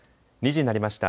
２時になりました。